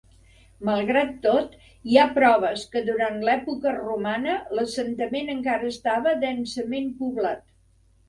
Malgrat tot, hi ha proves que, durant l'època romana, l'assentament encara estava densament poblat.